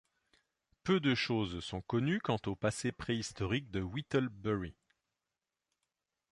Peu de choses sont connues quant au passé préhistorique de Whittlebury.